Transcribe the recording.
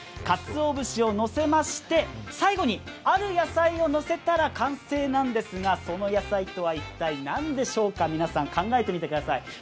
かつお節をのせまして、最後にある野菜をのせたら完成なんですが、その野菜とは一体何でしょうか、皆さん、考えてみてください。